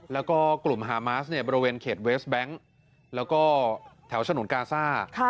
แล้วก็กลุ่มฮามาสบริเวณเขตเวสแบงค์แล้วก็แถวชนุดการ์ซาร์